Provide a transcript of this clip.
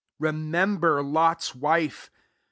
32 Remember Lot's wife.